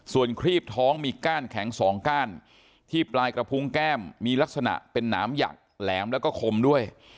ส่วนครีบท้องมีก้านแข็งสองก้านที่ปลายกระพุงแก้มมีลักษณะเป็นหนามหยักแหลมแล้วก็คมด้วย